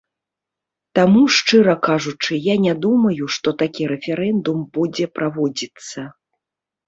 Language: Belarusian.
Таму, шчыра кажучы, я не думаю, што такі рэферэндум будзе праводзіцца.